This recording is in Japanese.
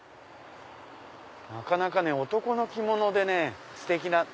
なかなかね男の着物でステキな。